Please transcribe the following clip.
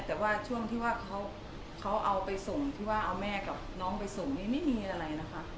แต่ว่าช่วงที่ว่าเขาเอาไปส่งที่ว่าเอาแม่กับน้องไปส่งนี้ไม่มีอะไรนะคะ